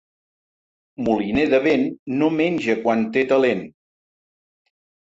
Moliner de vent no menja quan té talent.